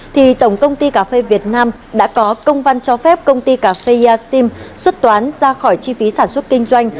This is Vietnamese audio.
thì tổng công ty cà phê việt nam đã có công văn cho phép công ty cà phê sim xuất toán ra khỏi chi phí sản xuất kinh doanh